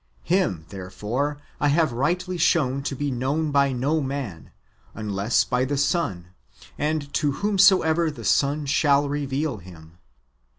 Him, therefore, I have rightly shown to be known by no man, unless by the Son, and to whomsoever the Son shall reveal Him.